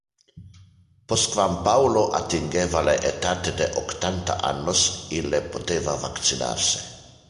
Postquam Paulo attingeva le etate de octanta annos, ille poteva vaccinar se.